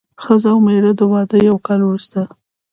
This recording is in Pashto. ښځه او مېړه د واده یو کال وروسته.